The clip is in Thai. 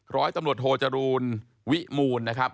ร้อยตำรวจโทจรูลวิมูลนะครับ